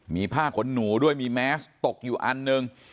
มีผ้าขนหนูด้วยมีแมสตกอยู่อันหนึ่ง